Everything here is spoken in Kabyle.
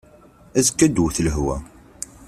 Azekka ad d-tewwet lehwa.